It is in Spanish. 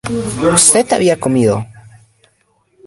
Usted había comido